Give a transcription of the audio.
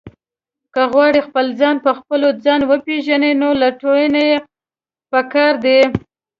که غواړئ خپل ځان په خپل ځان وپېژنئ، نو لټون یې پکار دی.